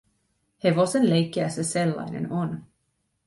Hevosen leikkiä se sellainen on.